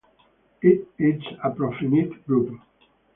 It is a profinite group.